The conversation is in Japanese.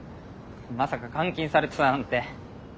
まさか監禁されてたなんて。